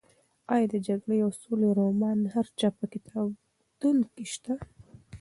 ایا د جګړې او سولې رومان د هر چا په کتابتون کې شته؟